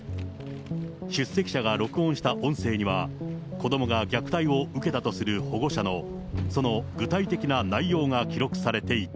出席者が録音した音声には、子どもが虐待を受けたとする保護者の、その具体的な内容が記録されていた。